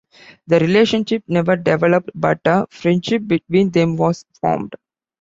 The relationship never developed but a friendship between them was formed.